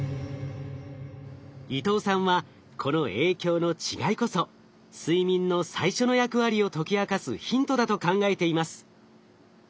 伊藤さんはこの影響の違いこそ睡眠の最初の役割を解き明かすヒントだと考えています。